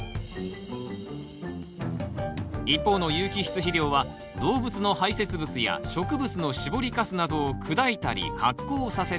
一方の有機質肥料は動物の排せつ物や植物の搾りかすなどを砕いたり発酵させたもの。